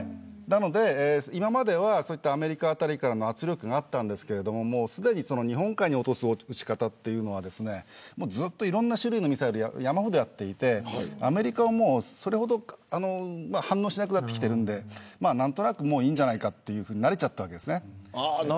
今まではそういったアメリカあたりからの圧力がありましたがすでに日本海に落とす撃ち方というのはいろんな種類のミサイルを山ほどやっていてアメリカも、それほど反応しなくなってきているので何となくもういいんじゃないかと慣れちゃったんです。